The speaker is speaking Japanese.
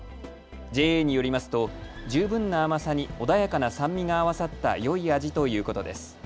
ＪＡによりますと十分な甘さに穏やかな酸味が合わさったよい味ということです。